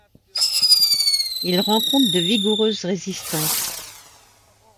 Il rencontre de vigoureuses résistances.